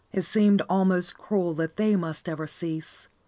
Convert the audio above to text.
It seemed almost cruel that they must ever cease.